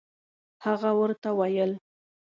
هغه ورته ویل.